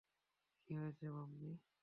কি হয়েছে মাম্মি?